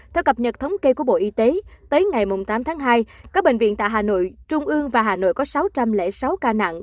theo cập nhật thống kê của bộ y tế tới ngày tám tháng hai các bệnh viện tại hà nội trung ương và hà nội có sáu trăm linh sáu ca nặng